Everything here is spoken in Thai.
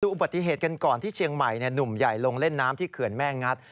อุบัติเหตุกันก่อนที่เชียงใหม่หนุ่มใหญ่ลงเล่นน้ำที่เขื่อนแม่งัด